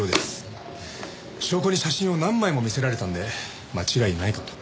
証拠に写真を何枚も見せられたので間違いないかと。